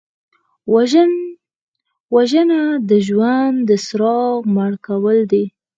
وژنه د ژوند د څراغ مړ کول دي